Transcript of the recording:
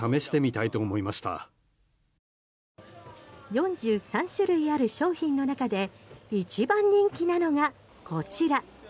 ４３種類ある商品の中で一番人気なのがこちら。